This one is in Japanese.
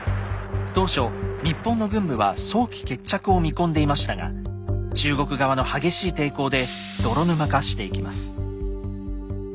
当初日本の軍部は早期決着を見込んでいましたが中国側の激しい抵抗で泥沼化していきます。